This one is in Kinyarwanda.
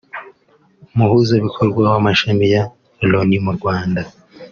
Umuhuzabikorwa w’amashami ya Loni mu Rwanda